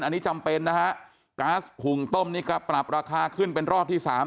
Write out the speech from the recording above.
อันนี้จำเป็นนะฮะก๊าซหุงต้มนี่ก็ปรับราคาขึ้นเป็นรอบที่สาม